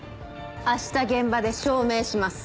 明日現場で証明します。